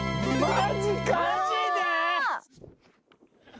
マジで？